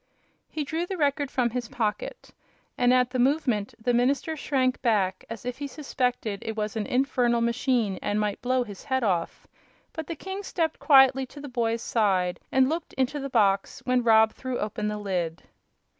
He drew the Record from his pocket, and at the movement the minister shrank back as if he suspected it was an infernal machine and might blow his head off; but the king stepped quietly to the boy's side and looked into the box when Rob threw open the lid.